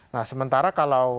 nah sementara kalau